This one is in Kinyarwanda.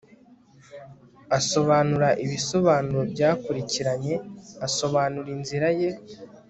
asobanura ibisobanuro byakurikiranye, asobanura inzira ye